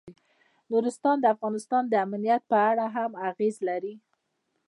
نورستان د افغانستان د امنیت په اړه هم اغېز لري.